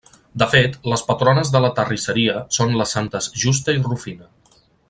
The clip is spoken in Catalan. De fet, les patrones de la terrisseria són les santes Justa i Rufina.